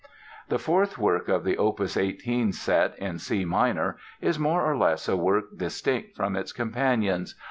The fourth work of the opus 18 set, in C minor, is more or less a work distinct from its companions.